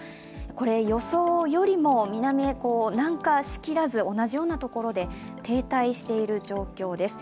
これ、予想よりも南へ南下しきらず、同じようなところで、停滞している状況です。